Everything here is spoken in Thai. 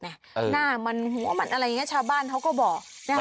หน้ามันหัวมันอะไรอย่างนี้ชาวบ้านเขาก็บอกนะคะ